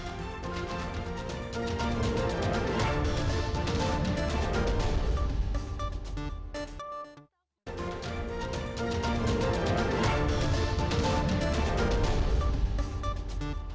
sebelum nanti kita akan bicara problem problem demokrasi dan kebebasan lainnya kang sob